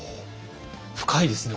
深いですね